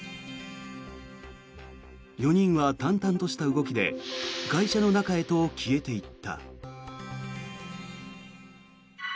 ４人は淡々とした動きで会社の中へと消えていった。